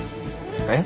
えっ？